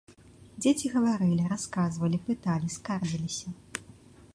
Дзеці гаварылі, расказвалі, пыталі, скардзіліся.